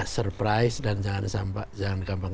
surprise dan jangan